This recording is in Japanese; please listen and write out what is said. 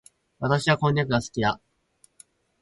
私はこんにゃくが好きだ。